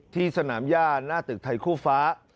ที่สนามย่าหน้าตึกไทยคู่ฟ้า